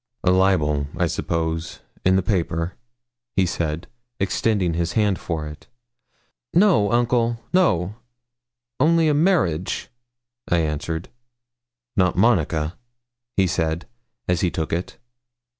'A libel, I suppose, in the paper?' he said, extending his hand for it. 'No, uncle no; only a marriage,' I answered. 'Not Monica?' he said, as he took it.